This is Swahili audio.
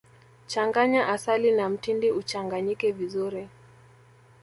changanya asali na mtindi uchanganyike vizuri